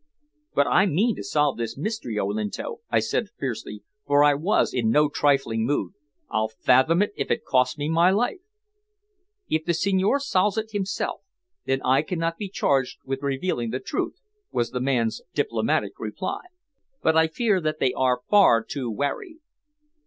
"But I mean to solve this mystery, Olinto," I said fiercely, for I was in no trifling mood. "I'll fathom it if it costs me my life." "If the signore solves it himself, then I cannot be charged with revealing the truth," was the man's diplomatic reply. "But I fear that they are far too wary."